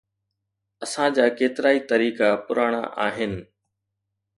اسان جا ڪيترائي طريقا پراڻا آھن.